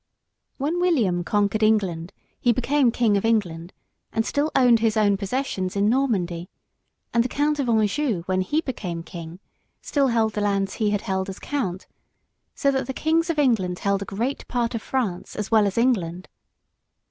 When William conquered England he became King of England and still owned his own possessions in Normandy, and the Count of Anjou, when he became King, still held the lands he had held as Count, so that the Kings of England held a great part of France as well as England.